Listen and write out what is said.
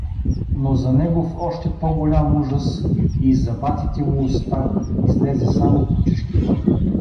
Но за негов още по-голям ужас из зъбатите му уста излезе само кучешки вой.